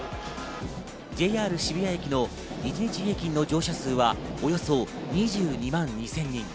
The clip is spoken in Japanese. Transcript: ＪＲ渋谷駅の一日平均の乗車数はおよそ２２万２０００人。